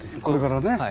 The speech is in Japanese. これからね。